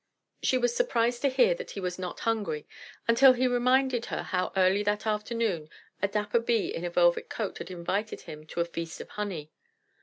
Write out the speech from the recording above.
She was surprised to hear that he was not hungry, until he reminded her how early that afternoon a dapper Bee in a velvet coat had invited him to a feast of honey.